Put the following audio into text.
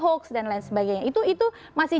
hoaks dan lain sebagainya itu itu masih